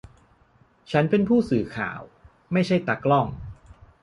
ฉันเป็นผู้สื่อข่าว ไม่ใช่ตากล้อง